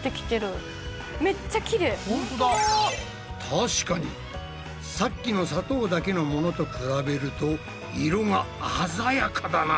確かにさっきの砂糖だけのものと比べると色が鮮やかだな。